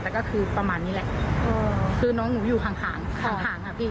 แต่ก็คือประมาณนี้แหละคือน้องหนูอยู่ห่างห่างค่ะพี่